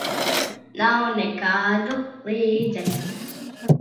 Nav nekādu līdzekļu.